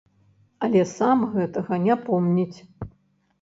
Але сам гэтага не помніць.